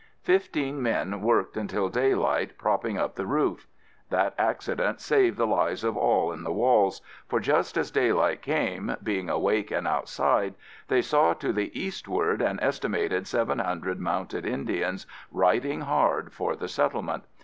Fifteen men worked until daylight propping up the roof. That accident saved the lives of all at the Walls, for just as daylight came, being awake and outside, they saw to the eastward, an estimated 700 mounted Indians riding hard for the settlement.